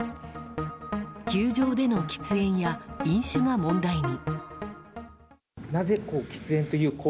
球場での喫煙や飲酒が問題に。